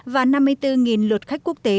và năm mươi bốn luật khách quốc tế